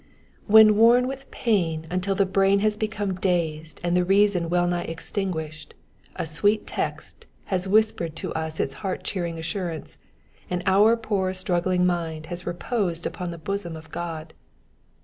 When worn with pain until the brain has become dazed and the reason well nigh extinguishea, a sweet text has whispered to us its heart cheering assurance, and our poor struggling mind has reposed upon the bosom of God.